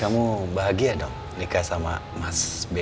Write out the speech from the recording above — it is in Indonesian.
kamu bahagia dok nikah sama mas b